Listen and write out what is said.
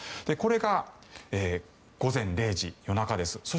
これが午前０時、夜中です。